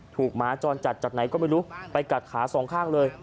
หมาจรจัดจากไหนก็ไม่รู้ไปกัดขาสองข้างเลย